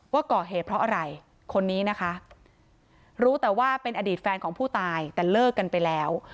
ว่าก่อเหตุเพราะอะไรคนนี้นะคะรู้แต่ว่าเป็นอดีตแฟนของผู้ตายแต่เลิกกันไปแล้ว